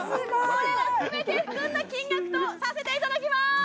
これら全て含んだ金額とさせていただきます！